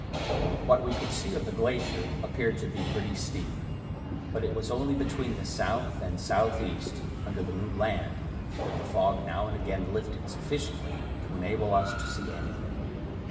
What we could see of the glacier appeared to be pretty steep; but it was only between the south and south east, under the new land, that the fog now and again lifted sufficiently to enable us to see anything.